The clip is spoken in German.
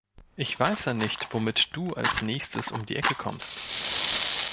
Ich weiß ja nicht, womit du als Nächstes um die Ecke kommst.